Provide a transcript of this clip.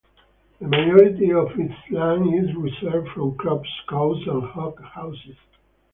The majority of its land is reserved from crops, cows, and hog houses.